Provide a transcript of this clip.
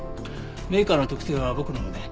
メーカーの特定は僕のほうで。